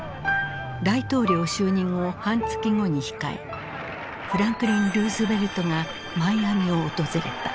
大統領就任を半月後に控えフランクリン・ルーズベルトがマイアミを訪れた。